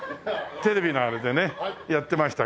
テレビのあれでねやってましたけど。